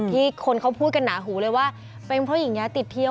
ที่คนเขาพูดกันหนาหูเลยว่าเป็นเพราะหญิงย้ายติดเที่ยว